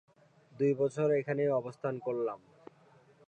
দুই বছর এখানেই অবস্থান করলাম।